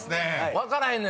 分からへんのよ